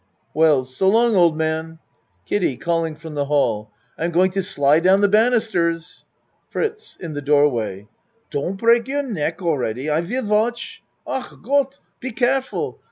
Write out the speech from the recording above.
WELLS So long, old man. KIDDIE (Calling from the hall.) I'm going to slide down the banisters. FRITZ (In the door way.) Don't break your neck, all ready. I vill watch! Ach Got! Be care ful!